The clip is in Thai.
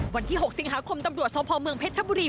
วันที่๖สิงหาคมตำรวจสพเมืองเพชรชบุรี